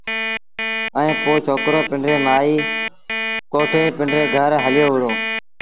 ائيٚݩ پو ڇوڪرو پنڊريٚ مآئيٚ ڪوٺي پنڊري گھر هليو وهُڙو